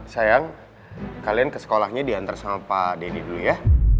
sayang kalian ke sekolahnya diantar sama pak denny dulu ya